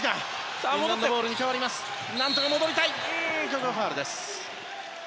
ここはファウル。